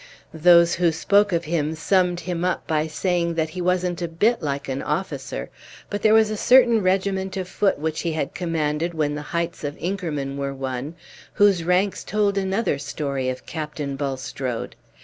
Those who spoke of him summed him up by saying that he wasn't a bit like an officer; but there was a certain regiment of foot, which he had commanded when the heights of Inkermann were won, whose ranks told another story of Captain Bulstrode.